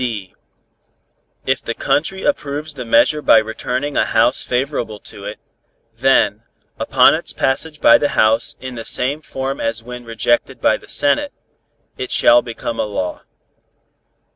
(d) If the country approves the measure by returning a House favorable to it, then, upon its passage by the House in the same form as when rejected by the Senate, it shall become a law.